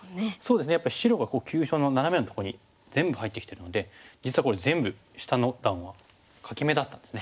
やっぱり白が急所のナナメのとこに全部入ってきてるので実はこれ全部下の段は欠け眼だったんですね。